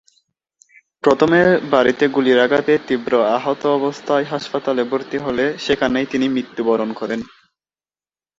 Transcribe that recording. প্রথমে বাড়িতে গুলির আঘাতে তীব্র আহত অবস্থায় হাসপাতালে ভর্তি হলে সেখানেই তিনি মৃত্যুবরণ করেন।